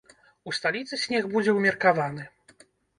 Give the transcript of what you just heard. У сталіцы снег будзе ўмеркаваны.